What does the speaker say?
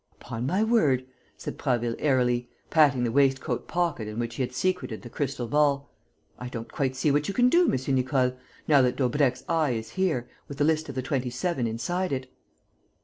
"Upon my word," said Prasville, airily, patting the waistcoat pocket in which he had secreted the crystal ball, "I don't quite see what you can do, M. Nicole, now that Daubrecq's eye is here, with the list of the Twenty seven inside it."